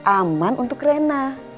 aman untuk rena